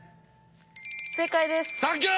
正解です。